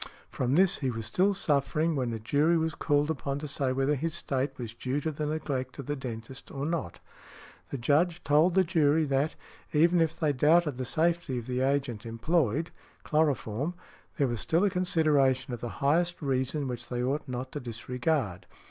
From this he was still suffering, when a jury was called upon to say whether his state was due to the neglect of the dentist or not. The Judge told the jury that, even if they doubted the safety of the agent employed (chloroform), there was still a consideration of the highest reason which they ought not to disregard.